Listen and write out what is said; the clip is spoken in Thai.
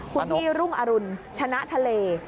คุณพี่รุ่งอรุณชนะทะเล